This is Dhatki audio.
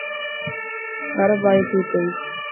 برف باري ٿي پئي.